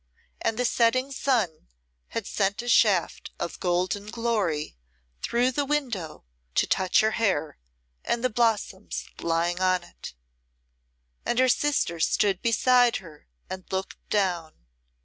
And the setting sun had sent a shaft of golden glory through the window to touch her hair and the blossoms lying on it. And her sister stood beside her and looked down.